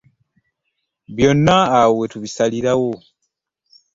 Byonna awo we tubisalirawo.